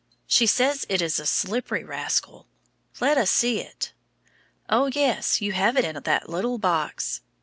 She says it is a slippery rascal. Let us see it. Oh, yes, you have it in that little box.